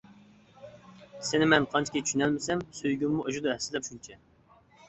سېنى مەن قانچىكى چۈشىنەلمىسەم، سۆيگۈممۇ ئاشىدۇ ھەسسىلەپ شۇنچە.